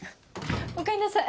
おかえりなさい。